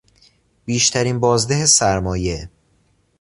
بیشترین بازده سرمایه